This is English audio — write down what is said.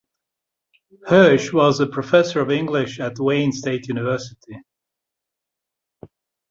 Hirsch was a professor of English at Wayne State University.